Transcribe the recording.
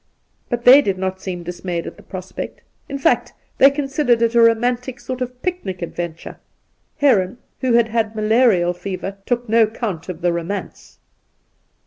But they did not seem dismayed at the prospect; in fact, they considered it a romantic sort of picnic adventure. Heron, who had had malarial fever, took no count of the romance.